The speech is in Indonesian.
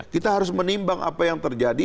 kita harus menimbang apa yang terjadi